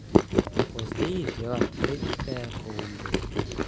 Později žila v Britské Kolumbii.